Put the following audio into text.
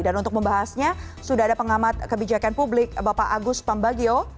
dan untuk membahasnya sudah ada pengamat kebijakan publik bapak agus pambagio